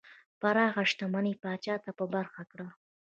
پراخه شتمنۍ پاچا ته په برخه کړه.